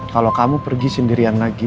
kalau kamu pergi sendirian lagi